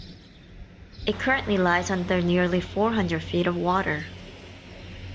It currently lies under nearly four hundred feet of water.